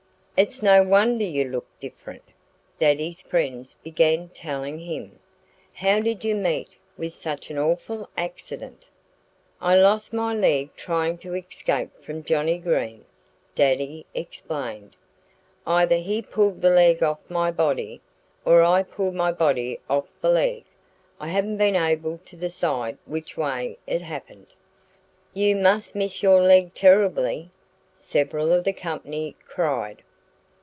"It's no wonder you look different," Daddy's friends began telling him. "How did you meet with such an awful accident?" "I lost my leg trying to escape from Johnnie Green," Daddy explained. "Either he pulled the leg off my body, or I pulled my body off the leg I haven't been able to decide which way it happened." "You must miss your leg terribly!" several of the company cried.